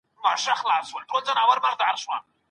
ولي د ژوند کولو ستونزي پيدا کيږي؟